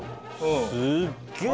すっげぇ